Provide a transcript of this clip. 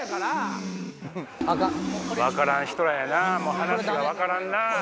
分からん人らやな話が分からんな。